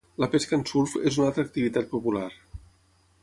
La pesca en surf és una altra activitat popular.